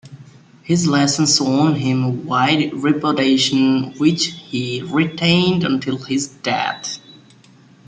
His lessons won him a wide reputation, which he retained until his death.